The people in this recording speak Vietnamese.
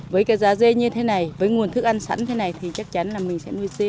với cái giá dê như thế này với nguồn thức ăn sẵn như thế này thì chắc chắn là mình sẽ nuôi dê